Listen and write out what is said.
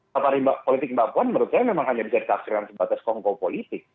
safari politik mbak puan menurut saya memang hanya bisa ditafsirkan sebatas kongko politik